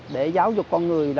để giáo dục con người